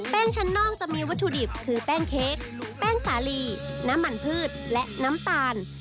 ชั้นนอกจะมีวัตถุดิบคือแป้งเค้กแป้งสาลีน้ำมันพืชและน้ำตาล